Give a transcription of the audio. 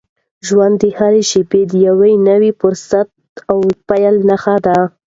د ژوند هره شېبه د یو نوي فرصت او پیل نښه ده.